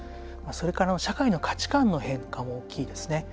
それから社会の価値観の変化も大きいですね。